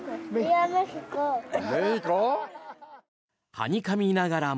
はにかみながらも。